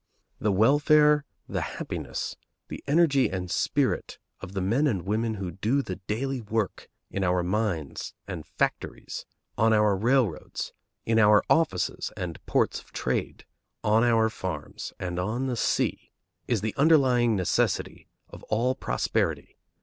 The welfare, the happiness, the energy and spirit of the men and women who do the daily work in our mines and factories, on our railroads, in our offices and ports of trade, on our farms and on the sea, is the underlying necessity of all prosperity.